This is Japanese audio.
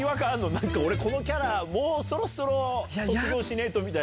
なんか俺、このキャラ、もうそろそろ卒業しねぇとみたいな。